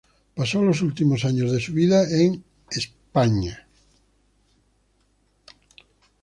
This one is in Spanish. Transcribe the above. Pasó los últimos años de su vida en España.